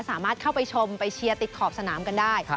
สามารถเข้าไปชมไปเชียร์ติดขอบสนามกันได้